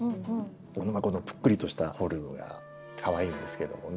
このぷっくりとしたフォルムがかわいいんですけどもね。